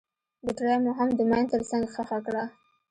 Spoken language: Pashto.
بټرۍ مو هم د ماين تر څنګ ښخه کړه.